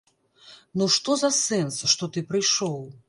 Ну што за сэнс, што ты прыйшоў.